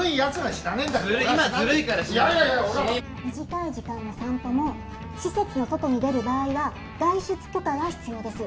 短い時間の散歩も施設の外に出る場合は外出許可が必要です。